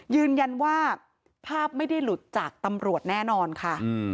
ยืนยันว่าภาพไม่ได้หลุดจากตำรวจแน่นอนค่ะ